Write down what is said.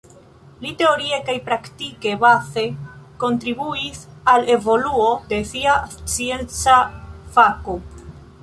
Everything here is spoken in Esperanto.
Li teorie kaj praktike baze kontribuis al evoluo de sia scienca fako.